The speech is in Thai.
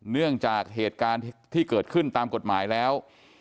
เนื่องจากเหตุการณ์ที่เกิดขึ้นตามกฎหมายแล้ว